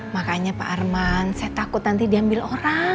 makanya pak arman saya takut nanti diambil orang